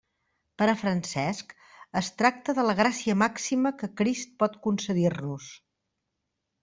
Per a Francesc es tracta de la gràcia màxima que Crist pot concedir-nos.